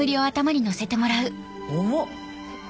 重っ。